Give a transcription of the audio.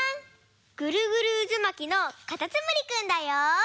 ぐるぐるうずまきのかたつむりくんだよ！